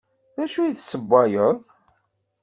D acu i d-tessewwayeḍ?